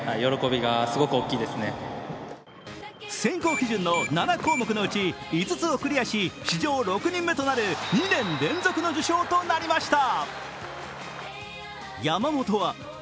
選考基準の７項目のうち５つをクリアし、史上６人目となる２年連続の受賞となりました。